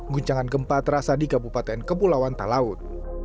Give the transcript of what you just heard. guncangan gempa terasa di kabupaten kepulauan talaut